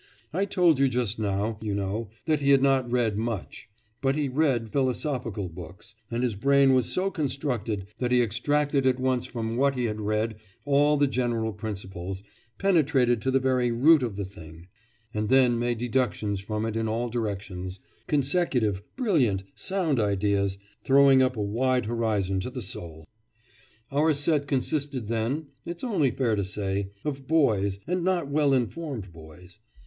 I told you just now, you know, that he had not read much, but he read philosophical books, and his brain was so constructed that he extracted at once from what he had read all the general principles, penetrated to the very root of the thing, and then made deductions from it in all directions consecutive, brilliant, sound ideas, throwing up a wide horizon to the soul. Our set consisted then it's only fair to say of boys, and not well informed boys.